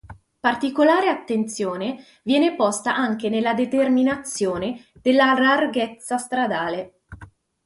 Particolare attenzione viene posta anche nella determinazione della larghezza stradale.